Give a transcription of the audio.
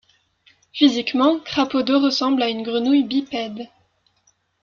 Physiquement, Cradopaud ressemble à une grenouille bipède.